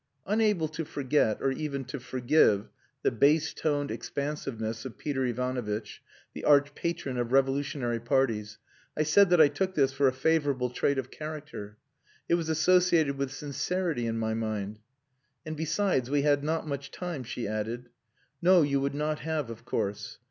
Unable to forget or even to forgive the bass toned expansiveness of Peter Ivanovitch, the Archpatron of revolutionary parties, I said that I took this for a favourable trait of character. It was associated with sincerity in my mind. "And, besides, we had not much time," she added. "No, you would not have, of course."